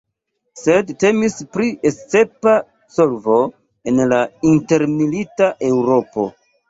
Sed temis pri escepta solvo en la intermilita Eŭropo.